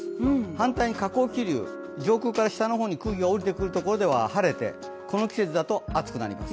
反対に下降気流、上空から下の方に空気が降りてくるところは晴れて、この季節だと暑くなります。